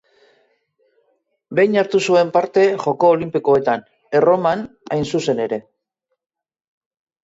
Behin hartu zuen parte Joko Olinpikoetan: Erroman hain zuzen ere.